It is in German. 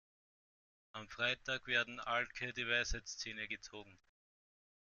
Am Freitag werden Alke die Weisheitszähne gezogen.